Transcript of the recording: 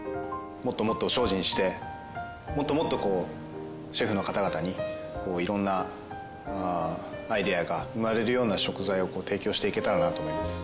もっともっと精進してもっともっとシェフの方々に色んなアイデアが生まれるような食材を提供していけたらなと思います。